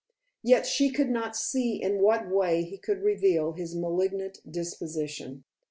Yet she could not see in what way he could reveal his malignant disposition.